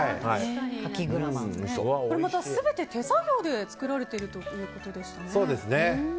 これまた、全て手作業で作られているということでしたね。